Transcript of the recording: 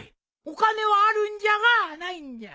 お金はあるんじゃがないんじゃ。